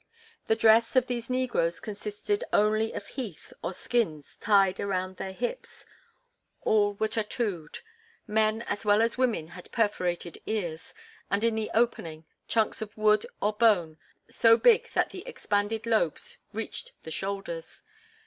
The dress of these negroes consisted only of heath or skins tied around their hips; all were tattooed. Men as well as women had perforated ears, and in the opening, chunks of wood or bone so big that the expanded lobes reached the shoulders.